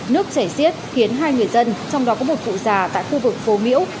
nước chảy xiết khiến hai người dân trong đó có một cụ già tại khu vực phố miễu